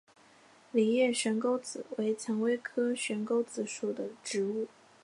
梨叶悬钩子为蔷薇科悬钩子属的植物。